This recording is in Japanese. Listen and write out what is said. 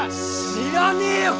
知らねえよ